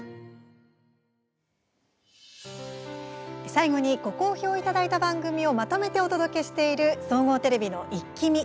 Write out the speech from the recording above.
最後に、ご好評いただいた番組をまとめてお届けしている総合テレビの「イッキ見！」。